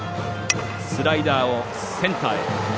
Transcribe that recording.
スライダーをセンターへ。